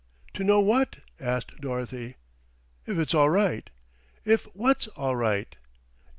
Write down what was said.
"To know what?" asked Dorothy. "If it's all right." "If what's all right?"